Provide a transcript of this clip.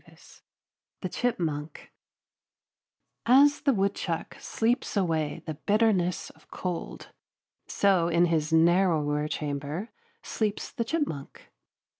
VIII THE CHIPMUNK As the woodchuck sleeps away the bitterness of cold, so in his narrower chamber sleeps the chipmunk.